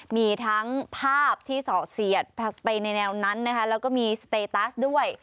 มีทั้งภาพที่สอเสียดไปในแนวนั้นนะคะแล้วก็มีสเตตัสด้วย